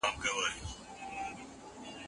بېله دغه چا به مي ژوند